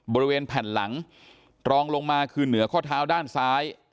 บริเวณแผ่นหลังรองลงมาคือเหนือข้อเท้าด้านซ้าย